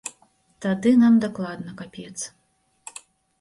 Тады нам дакладна капец.